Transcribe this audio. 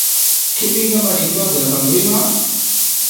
Ki ɓi ngama ɗik tuwa a zilaka mbri ma ?